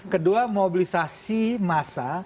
kedua mobilisasi massa